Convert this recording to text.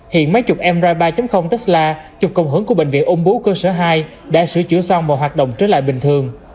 hiện máy chụp mri ba tesla chụp công hưởng của bệnh viện ung bú cơ sở hai đã sửa chữa xong và hoạt động trở lại bình thường